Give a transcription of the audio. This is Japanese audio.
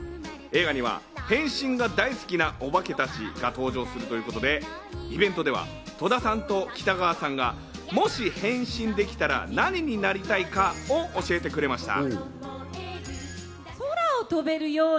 映画には変身が大好きなおばけたちが登場するということで、イベントでは戸田さんと北川さんがもし変身できたら、何になりたいかを教えてくれました。